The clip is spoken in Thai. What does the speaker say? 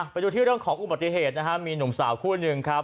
ไปดูที่เรื่องของอุบัติเหตุนะฮะมีหนุ่มสาวคู่หนึ่งครับ